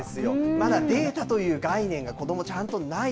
まだデータという概念が、子ども、ちゃんとない。